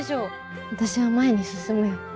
私は前に進むよ。